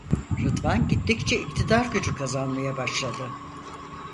Rıdvan gittikçe iktidar gücü kazanmaya başladı.